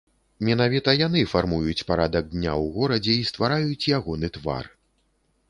Менавіта яны фармуюць парадак дня ў горадзе і ствараюць ягоны твар.